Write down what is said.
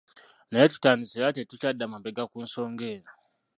Naye tutandise era tetukyadda mabega ku nsonga eno.